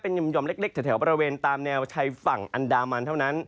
ย่อมเล็กแถวบริเวณตามแนวชายฝั่งอันดามันเท่านั้น